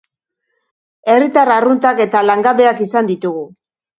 Herritar arruntak eta langabeak izan ditugu.